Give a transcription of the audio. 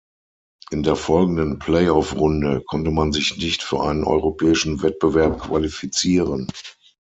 In der folgenden Play-off-Runde konnte man sich nicht für einen europäischen Wettbewerb qualifizieren.